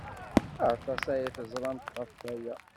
Aṭas ay teẓramt ɣef waya.